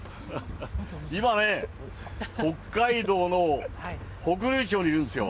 今ね、北海道の北竜町にいるんですよ。